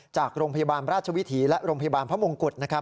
จากโรงพยาบาลราชวินิทร์และโรงพยาบาลพระมงกุฎ